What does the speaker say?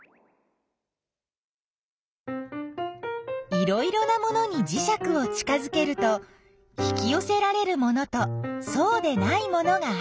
いろいろなものにじしゃくを近づけると引きよせられるものとそうでないものがあった。